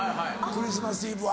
クリスマスイブ